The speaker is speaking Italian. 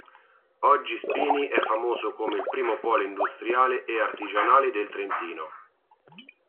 Oggi Spini è famoso come primo polo industriale e artigianale del Trentino.